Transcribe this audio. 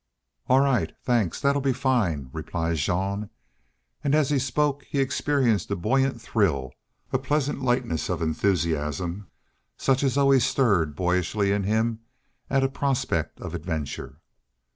"All right. Thanks. That'll be fine," replied Jean, and as he spoke he experienced a buoyant thrill, a pleasant lightness of enthusiasm, such as always stirred boyishly in him at a prospect of adventure.